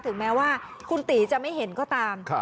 ถึงแม้ว่าคุณตีจะไม่เห็นก็ตาม